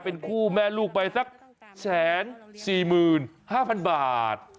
เป็นคู่แม่ลูกไปสัก๑๔๕๐๐๐บาท